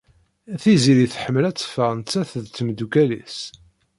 Tiziri tḥemmel ad teffeɣ nettat d tmeddukal-is.